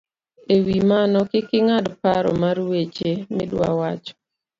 E wi mano, kik ing'ad paro mar weche miduawacho